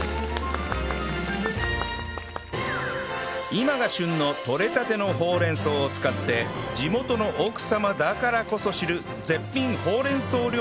今が旬のとれたてのほうれん草を使って地元の奥様だからこそ知る絶品ほうれん草料理を作ります